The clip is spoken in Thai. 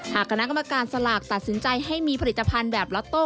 หากคณะกรรมการสลากตัดสินใจให้มีผลิตภัณฑ์แบบล็อตโต้